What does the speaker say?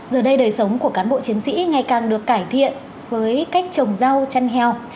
giờ đây đời sống của cán bộ chiến sĩ ngày càng được cải thiện với cách trồng rau chăn heo